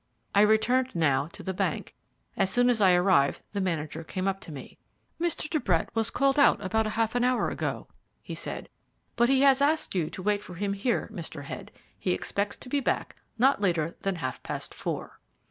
I returned now to the bank. As soon as I arrived the manager came up to me. "Mr. De Brett was called out about half an hour ago," he said, "but he has asked you to wait for him here, Mr. Head. He expects to be back not later than half past four."